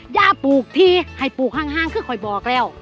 ย่าปลูกทีให้ปลูกห้างคือค่อยบอกแล้ว